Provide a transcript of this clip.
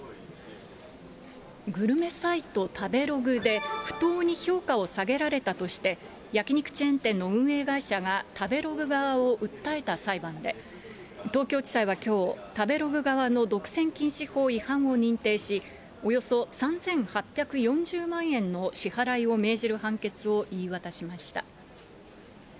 グルメサイト、食べログで、不当に評価を下げられたとして、焼き肉チェーン店の運営会社が食べログ側を訴えた裁判で、東京地裁はきょう、食べログ側の独占禁止法違反を認定し、およそ３８４０万円の支払いを命じる判決を言い渡しました。